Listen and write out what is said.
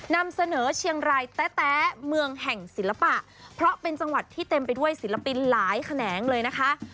นำเสนอเชียงรายแต๊ะเมืองแห่งศิลปะเพราะเป็นจังหวัดที่เต็มไปด้วยศิลปินหลายแขนงเลยนะคะ